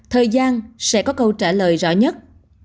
thời gian sẽ có câu trả lời rõ nhất